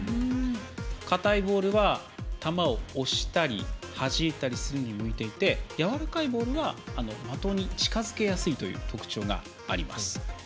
硬いボールは球を押したりはじいたりするのに向いていて、やわらかいボールは的に近づけやすいという特徴があります。